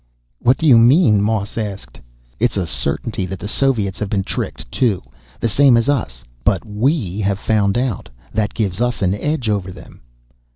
"What do you mean?" Moss asked. "It's a certainty that the Soviets have been tricked, too, the same as us. But we have found out. That gives us an edge over them."